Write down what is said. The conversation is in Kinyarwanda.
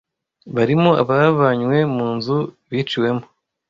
barimo abavanywe mu nzu biciwemo,